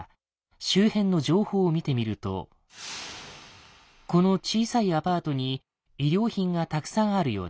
周辺の情報を見てみるとこの小さいアパートに医療品がたくさんあるようだ。